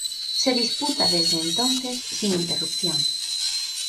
Se disputa desde entonces sin interrupción.